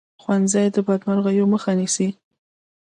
ښوونځی د بدمرغیو مخه نیسي